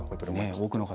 多くの方